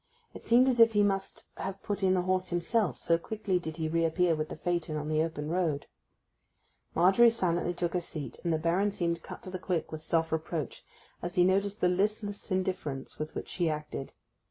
It seemed as if he must have put in the horse himself, so quickly did he reappear with the phaeton on the open road. Margery silently took her seat, and the Baron seemed cut to the quick with self reproach as he noticed the listless indifference with which she acted.